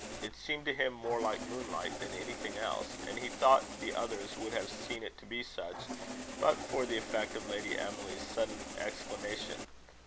It seemed to him more like moonlight than anything else; and he thought the others would have seen it to be such, but for the effect of Lady Emily's sudden exclamation.